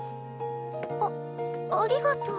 あありがとう。